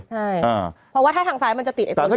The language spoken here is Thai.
ใช่เพราะว่าถ้าทางซ้ายมันจะติดไอ้ตัวนี้